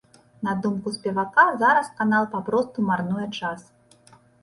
На думку спевака, зараз канал папросту марнуе час.